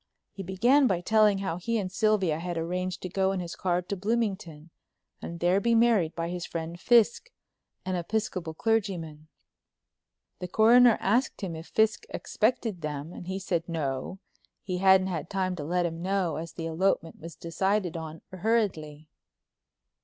He began by telling how he and Sylvia had arranged to go in his car to Bloomington, and there be married by his friend Fiske, an Episcopal clergyman. The Coroner asked him if Fiske expected them and he said no, he hadn't had time to let him know as the elopement was decided on hurriedly.